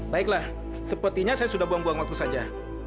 baiklah sepertinya saya sudah buang buang waktu saja